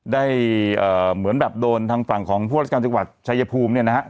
ได้เหมือนแบบโดนทางฝั่งของผู้ราชการจังหวัดชายภูมิเนี่ยนะฮะ